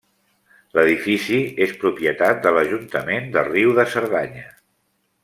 L'edifici és propietat de l'ajuntament de Riu de Cerdanya.